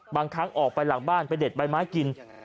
บางครั้งออกไปหลังบ้านไปเด็ดใบไม้กิน